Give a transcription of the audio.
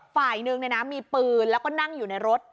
ฝ่ายหนึ่งมีปืนแล้วก็นั่งอยู่ในรถ